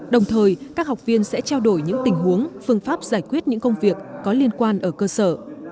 đồng thời các học viên sẽ trao đổi những tình huống phương pháp giải quyết những công việc có liên quan ở cơ sở